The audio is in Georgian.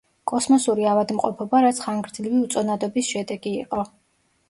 კოსმოსური ავადმყოფობა, რაც ხანგრძლივი უწონადობის შედეგი იყო.